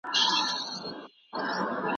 کمپله د هغې لخوا په تخت ورسمه شوه.